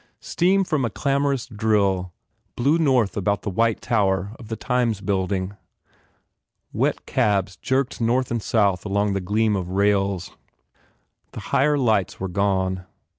Steam from a clamorous drill blew north about the white tower of the Times build ing. Wet cabs jerked north and south along the gleam of rails. The higher lights were gone.